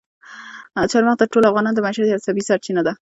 چار مغز د ټولو افغانانو د معیشت یوه طبیعي سرچینه ده.